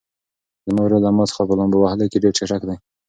زما ورور له ما څخه په لامبو وهلو کې ډېر چټک دی.